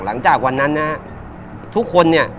หลังจากวันนั้นนะทุกคนเนี่ย